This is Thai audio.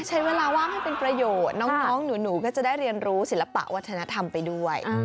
ใช้เวลาว่างให้เป็นประโยชน์น้องหนูก็จะได้เรียนรู้ศิลปะวัฒนธรรมไปด้วย